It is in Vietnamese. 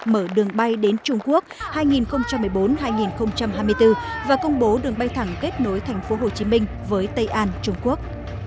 mở đường bay đến trung quốc hai nghìn một mươi bốn hai nghìn hai mươi bốn và công bố đường bay thẳng kết nối thành phố hồ chí minh với tây an trung quốc